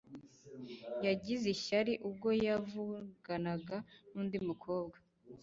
Yagize ishyari ubwo yavuganaga nundi mukobwa